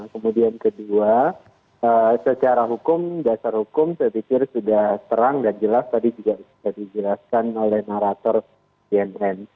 kemudian kedua secara hukum dasar hukum saya pikir sudah terang dan jelas tadi juga sudah dijelaskan oleh narator cnn